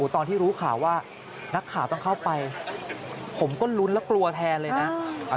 ตอนที่รู้ข่าวว่านักข่าวต้องเข้าไปผมก็ลุ้นและกลัวแทนเลยนะ